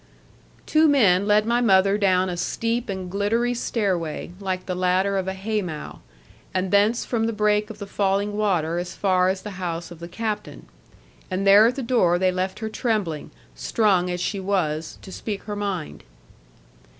Two men led my mother down a steep and gliddery stair way, like the ladder of a hay mow; and thence from the break of the falling water as far as the house of the captain. And there at the door they left her trembling, strung as she was, to speak her mind.